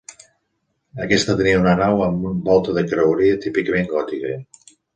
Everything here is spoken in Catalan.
Aquest tenia una nau amb volta de creueria típicament gòtica.